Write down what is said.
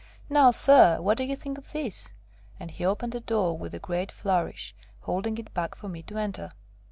Now, sir! What do you think of this?" And he opened a door with a great flourish, holding it back for me to enter.